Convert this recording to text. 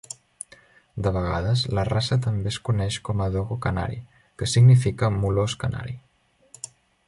De vegades, la raça també es coneix com a Dogo canari, que significa "molós canari".